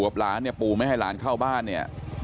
เกิดกลบล้านเนี่ยปู่ไม่ให้ล้านเข้าบ้านเนี่ย